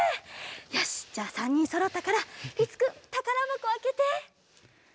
よしっじゃあ３にんそろったからりつくんたからばこあけて。